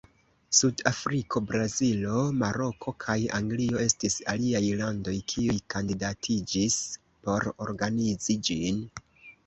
Sud-Afriko, Brazilo, Maroko, kaj Anglio estis aliaj landoj kiuj kandidatiĝis por organizi ĝin.